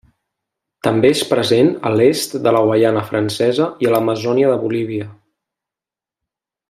També és present a l'est de la Guaiana Francesa i a l'Amazònia de Bolívia.